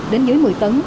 đến dưới một mươi tấn